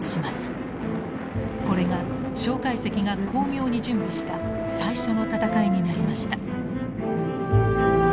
これが介石が巧妙に準備した最初の戦いになりました。